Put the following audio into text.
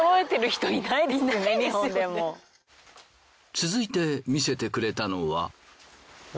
続いて見せてくれたのは。